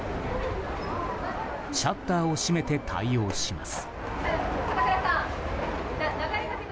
シャッターを閉めて対応します。